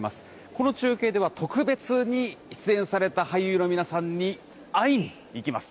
この中継では特別に出演された俳優の皆さんに会いに行きます。